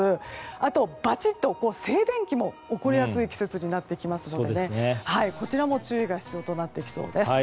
あと、バチッと静電気も起こりやすい季節になってきますのでこちらも注意が必要となってきそうです。